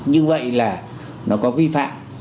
nhưng vậy là nó có vi phạm